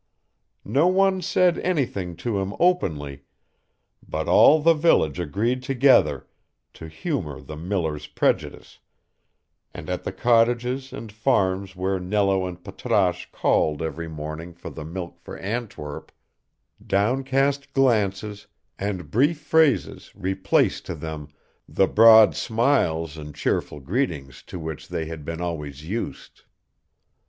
No one said anything to him openly, but all the village agreed together to humor the miller's prejudice, and at the cottages and farms where Nello and Patrasche called every morning for the milk for Antwerp, downcast glances and brief phrases replaced to them the broad smiles and cheerful greetings to which they had been always used.